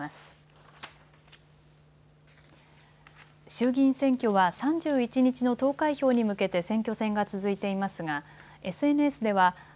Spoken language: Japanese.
衆議院選挙は３１日の投開票に向けて選挙戦が続いていますがＳＮＳでは＃